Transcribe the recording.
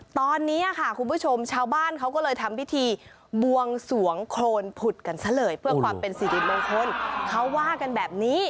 ตอนนี้ค่ะคุณผู้ชมชาวบ้านเขาก็เลยทำพิธีบวงสวงโครนผุดกันซะเลยเพื่อความเป็นสิริมงคลเขาว่ากันแบบนี้